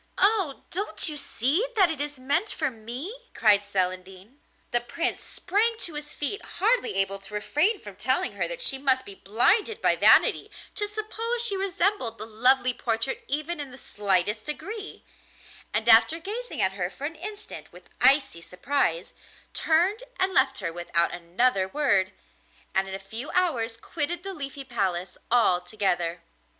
'Oh! don't you see that it is meant for me?' cried Celandine. The Prince sprang to his feet, hardly able to refrain from telling her that she must be blinded by vanity to suppose she resembled the lovely portrait even in the slightest degree; and after gazing at her for an instant with icy surprise, turned and left her without another word, and in a few hours quitted the Leafy Palace altogether.